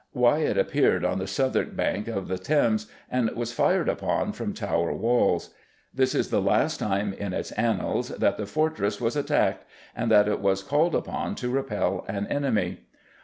Wyatt appeared on the Southwark bank of the Thames and was fired upon from Tower walls. This is the last time in its annals that the fortress was attacked, and that it was called upon to repel an enemy.